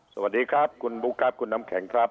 สวัสดีครับคุณบุ๊คครับคุณน้ำแข็งครับ